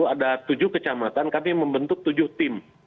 ada tujuh kecamatan kami membentuk tujuh tim